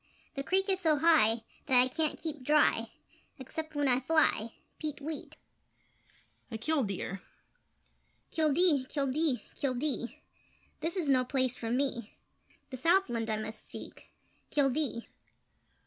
The creek is so high That I can't keep dry Except when I fly! Peet weet! [A Kildeer]: Kildee! Kildee! Kildee! This is no place for me! The southland I must seek Kildee!